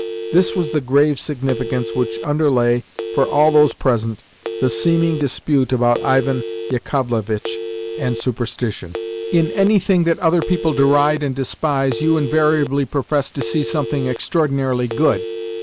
This was the grave significance which underlay, for all those present, the seeming dispute about Ivan Yakovlevitch and superstition. "In anything that other people deride and despise you invariably profess to see something extraordinarily good!"